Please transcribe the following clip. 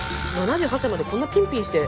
７８歳までこんなピンピンして。